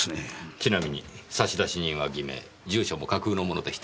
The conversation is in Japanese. ちなみに差出人は偽名住所も架空のものでした。